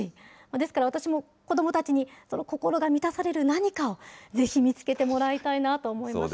ですから私も、子どもたちに、心が満たされる何かをぜひ見つけてもらいたいなと思いました。